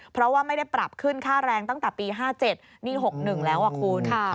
เพราะว่าไม่ได้ปรับขึ้นค่าแรงตั้งแต่ปี๕๗นี่๖๑แล้วคุณ